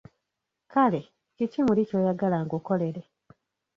Kale, kiki muli ky’oyagala nkukolere?